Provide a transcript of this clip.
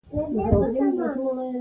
• عدالت د انسان تر ټولو مهم ارزښت دی.